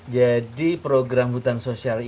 jadi program hutan sosial ini